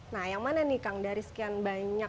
nah yang mana nih kang dari sekian banyak